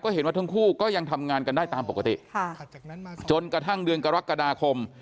เห็นว่าทั้งคู่ก็ยังทำงานกันได้ตามปกติจนกระทั่งเดือนกรกฎาคม